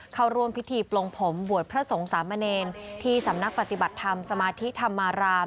เข้าร่วมพิธีปลงผมบวชพระสงฆ์สามเณรที่สำนักปฏิบัติธรรมสมาธิธรรมาราม